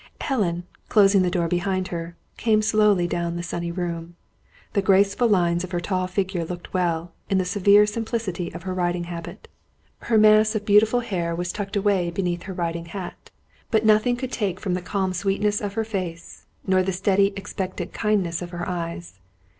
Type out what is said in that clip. Helen, closing the door behind her, came slowly down the sunny room. The graceful lines of her tall figure looked well, in the severe simplicity of her riding habit. Her mass of beautiful hair was tucked away beneath her riding hat. But nothing could take from the calm sweetness of her face, nor the steady expectant kindness of her eyes.